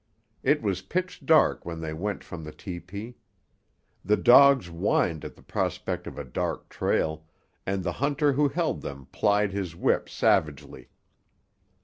It was pitch dark when they went from the tepee. The dogs whined at the prospect of a dark trail, and the hunter who held them plied his whip savagely.